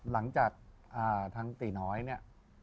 หลังจากทางตีน้อยเนี่ย